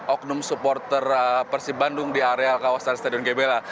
oknum supporter persib bandung di area kawasan stadion gebela